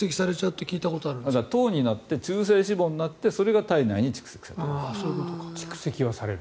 糖になって中性脂肪になってそれが体内に蓄積される。